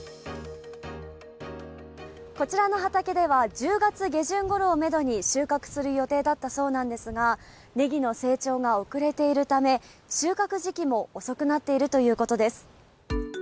こちらの畑では１０月下旬ごろをめどに収穫する予定だったそうなんですがネギの成長が遅れているため収穫時期も遅くなっているということです。